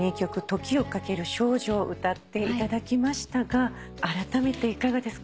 『時をかける少女』を歌っていただきましたがあらためていかがですか？